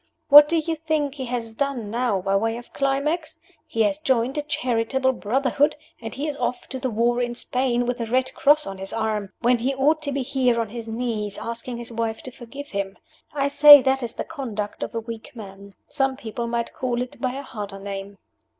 What do you think he has done now by way of climax? He has joined a charitable brotherhood; and he is off to the war in Spain with a red cross on his arm, when he ought to be here on his knees, asking his wife to forgive him. I say that is the conduct of a weak man. Some people might call it by a harder name."